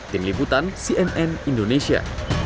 tim liputan cnn indonesia